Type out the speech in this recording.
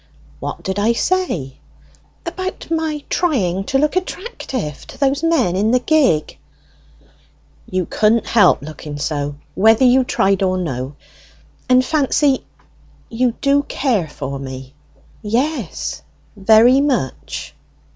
"What did I say?" "About my trying to look attractive to those men in the gig." "You couldn't help looking so, whether you tried or no. And, Fancy, you do care for me?" "Yes." "Very much?"